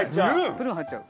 プルーン入っちゃう。